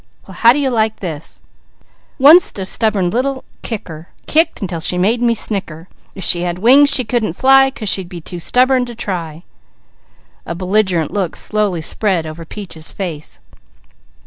"Well how do you like this?" "_Once a stubborn little kicker, Kicked until she made me snicker. If she had wings, she couldn't fly, 'Cause she'd be too stubborn to try._" A belligerent look slowly spread over Peaches' face.